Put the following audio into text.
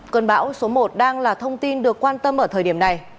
cơn bão số một đang là thông tin được quan tâm ở thời điểm này